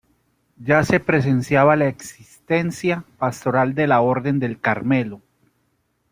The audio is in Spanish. Ya se presenciaba la asistencia pastoral de la Orden del Carmelo.